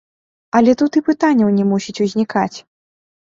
Але тут і пытанняў не мусіць узнікаць!